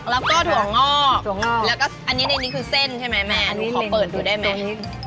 แล้วก็ถั่วงอกแล้วก็อันนี้ในนี้คือเส้นใช่ไหมแม่อันนี้ขอเปิดดูได้ไหม